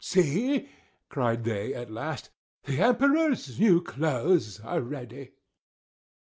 "See!" cried they, at last. "The Emperor's new clothes are ready!"